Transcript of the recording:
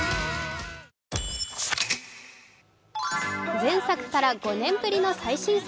前作から５年ぶりの最新作。